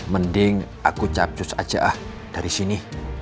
mending aku capcus aja dari sini